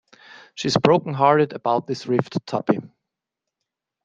She's broken-hearted about this rift, Tuppy.